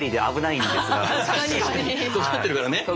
とがってるからね。